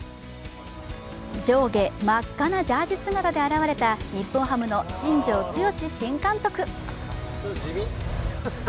上下真っ赤なジャージー姿で現れた、日本ハムの新庄剛志新監督。